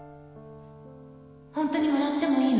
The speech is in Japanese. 本当にもらってもいいの？